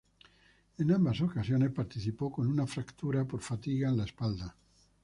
En ambas ocasiones participó con una fractura por fatiga en la espalda.